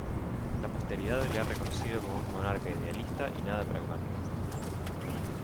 La posteridad le ha reconocido como un monarca idealista y nada pragmático.